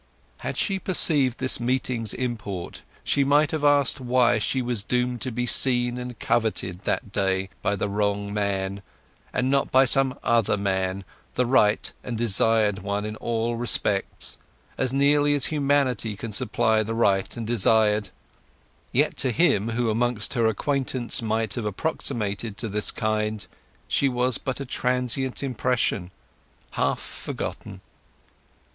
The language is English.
Had she perceived this meeting's import she might have asked why she was doomed to be seen and coveted that day by the wrong man, and not by some other man, the right and desired one in all respects—as nearly as humanity can supply the right and desired; yet to him who amongst her acquaintance might have approximated to this kind, she was but a transient impression, half forgotten.